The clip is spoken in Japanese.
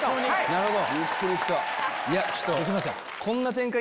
なるほど！